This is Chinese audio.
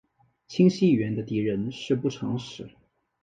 清晰语言的敌人是不诚实。